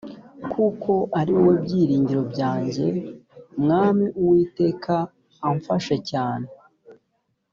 kuko ari wowe byiringiro byanjye mwami uwiteka amfashe cyane